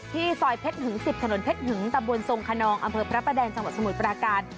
ซอยเพชรหึง๑๐ถนนเพชรหึงตำบลทรงขนองอำเภอพระประแดงจังหวัดสมุทรปราการ